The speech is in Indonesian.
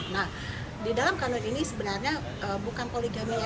nah di dalam kanun ini sebenarnya bukan poligaminya